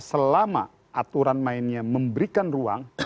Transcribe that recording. selama aturan mainnya memberikan ruang